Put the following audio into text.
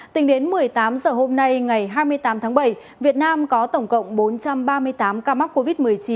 tính đến một mươi tám h hôm nay ngày hai mươi tám tháng bảy việt nam có tổng cộng bốn trăm ba mươi tám ca mắc covid một mươi chín